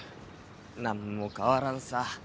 何も変わらんさ。